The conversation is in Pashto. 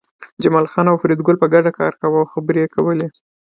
جمال خان او فریدګل په ګډه کار کاوه او خبرې یې کولې